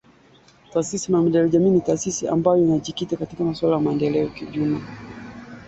Kivu Kaskazini na Ituri na kuwaweka maafisa wa kijeshi katika harakati za kumaliza ghasia